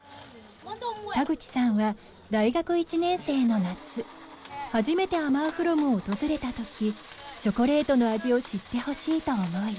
田口さんは大学１年生の夏初めてアマンフロムを訪れたときチョコレートの味を知ってほしいと思い